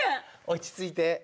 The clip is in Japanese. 落ち着いて。